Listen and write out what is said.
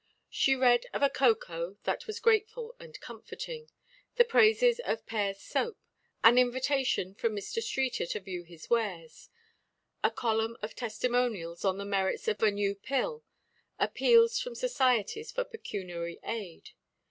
She read of a cocoa that was grateful and comforting, the praises of Pear's Soap, an invitation from Mr. Streeter to view his wares, a column of testimonials on the merits of a new pill, appeals from societies for pecuniary aid.